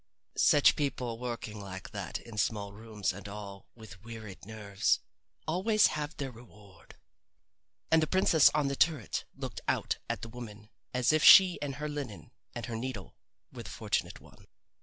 Such people working like that in small rooms, and all, with wearied nerves, always have their reward. And the princess on the turret looked out at the woman as if she with her linen and her needle were the fortunate one.